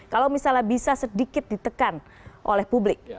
kalau misalnya bisa sedikit ditekan oleh publik